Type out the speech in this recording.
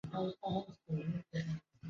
阿里耶格河畔弗尔里埃人口变化图示